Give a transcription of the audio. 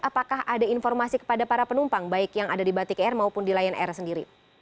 apakah ada informasi kepada para penumpang baik yang ada di batik air maupun di lion air sendiri